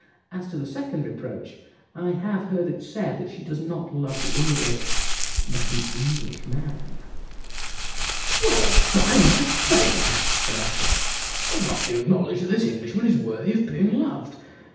As to the second reproach, I have heard it said that she does not love the English, but an Englishman." "Well, and by my faith," said Athos, "it must be acknowledged that this Englishman is worthy of being loved.